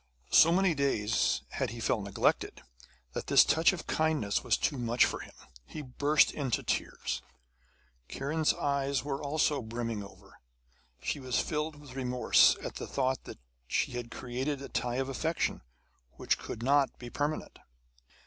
So many days had he felt neglected that this touch of kindness was too much for him; he burst into tears. Kiran's eyes were also brimming over. She was filled with remorse at the thought that she had created a tie of affection, which could not be permanent.